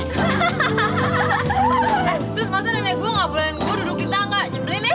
eh terus masa nenek gue gak bolehin gue duduk di tangga jebelin ya